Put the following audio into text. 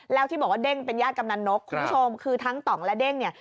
แล้วที่บอกว่าเด้งเป็นญาติกำนันนกคุณผู้ชมคือทั้งต่องและเด้งเนี่ย